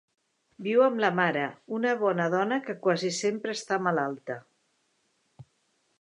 Viu amb la mare, una bona dóna que quasi sempre està malalta.